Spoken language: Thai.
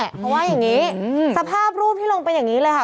เพราะว่าอย่างนี้สภาพรูปที่ลงเป็นอย่างนี้เลยค่ะ